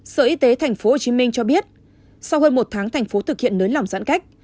sở y tế tp hcm cho biết sau hơn một tháng tp hcm thực hiện nới lòng giãn cách